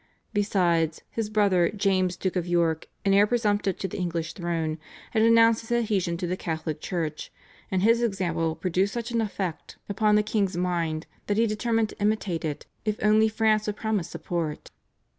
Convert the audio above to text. Besides, his brother James, Duke of York, and heir presumptive to the English throne, had announced his adhesion to the Catholic Church, and his example produced such an effect upon the king's mind that he determined to imitate it if only France would promise support.